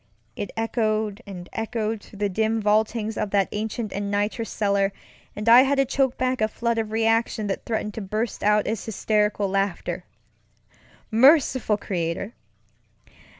It echoed and echoed through the dim vaultings of that ancient and nitrous cellar, and I had to choke back a flood of reaction that threatened to burst out as hysterical laughter. Merciful Creator!